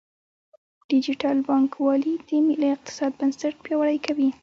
ډیجیټل بانکوالي د ملي اقتصاد بنسټ پیاوړی کوي.